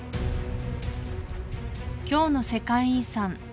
今日の世界遺産